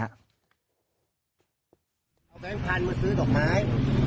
เอาแบงค์พันธุ์มาซื้อดอกไม้